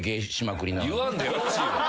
言わんでよろしいわ。